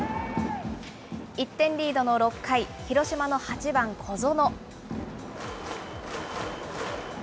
１点リードの６回、広島の８番小園。